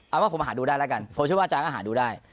เอาว่าผมหาดูได้แล้วกันผมเชื่อว่าอาจารย์ก็หาดูได้